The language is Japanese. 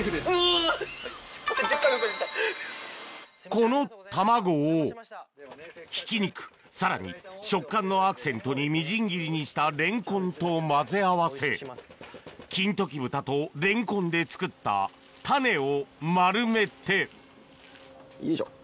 この卵をひき肉さらに食感のアクセントにみじん切りにしたレンコンと混ぜ合わせ金時豚とレンコンで作ったタネを丸めてよいしょ。